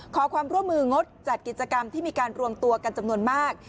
ขอความร่วมมืองดจัดกิจกรรมที่มีการรวมตัวกันจำนวนมาก